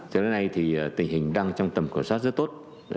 cho đến nay thì tình hình đang trong tầm quan sát rất tốt